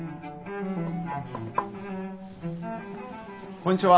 こんにちは。